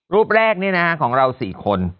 รูปแรกนี่นะคะของเรา๔คน